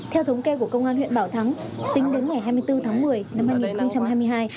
theo thống kê của công an huyện bảo thắng tính đến ngày hai mươi bốn tháng một mươi năm hai nghìn hai mươi hai